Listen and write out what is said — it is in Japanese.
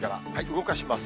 動かします。